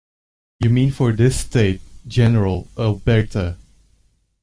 You mean for this State, General, Alberta.